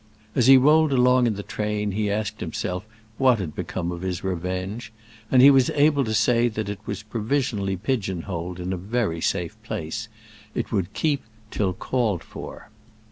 As he rolled along in the train he asked himself what had become of his revenge, and he was able to say that it was provisionally pigeon holed in a very safe place; it would keep till called for.